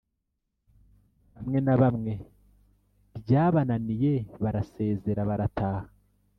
Bamwe nabamwe byabananiye barasezera barataha